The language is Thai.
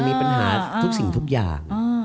มีปัญหาทุกสิ่งทุกอย่าง